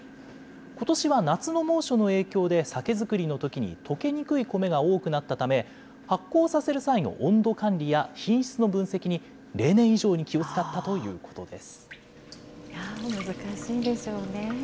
ことしは夏の猛暑の影響で酒造りのときに溶けにくいコメが多くなったため、発酵させる際の温度管理や品質の分析に例年以上に気を遣ったということです。